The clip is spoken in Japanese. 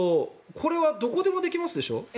これはどこでもできますでしょ？